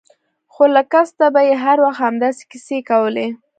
خو له کسته به يې هر وخت همداسې کيسې کولې.